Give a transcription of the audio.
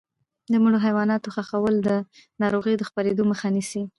د مړو حیواناتو ښخول د ناروغیو د خپرېدو مخه نیسي.